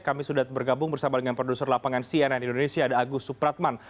kami sudah bergabung bersama dengan produser lapangan cnn indonesia ada agus supratman